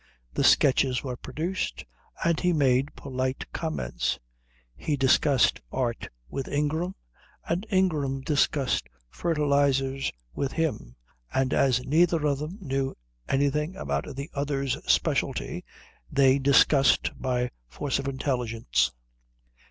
The sketches were produced, and he made polite comments. He discussed art with Ingram, and Ingram discussed fertilizers with him, and as neither knew anything about the other's specialty they discussed by force of intelligence.